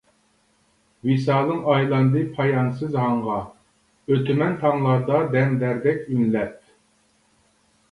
ۋىسالىڭ ئايلاندى پايانسىز ھاڭغا، ئۆتىمەن تاڭلاردا دەمدەردەك ئۈنلەپ.